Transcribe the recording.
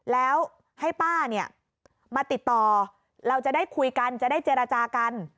แล้วให้ป้าเนี่ยมาติดต่อเราจะได้คุยกันจะได้เจรจากัน